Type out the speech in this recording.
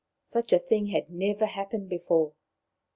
Such a thing had never happened before.